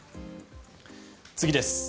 次です。